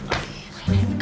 asik tapi sakti